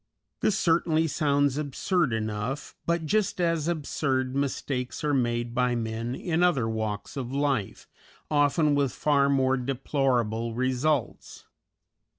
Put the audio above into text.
This certainly sounds absurd enough; but just as absurd mistakes are made by men in other walks of life, often with far more deplorable results.